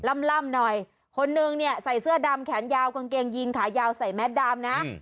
ล่ำหน่อยคนนึงเนี่ยใส่เสื้อดำแขนยาวกางเกงยีนขายาวใส่แมสดำนะ